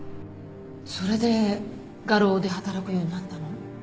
それで画廊で働くようになったの？